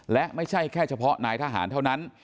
และไม่ใช่แค่เฉพาะนายทหารเท่านั้น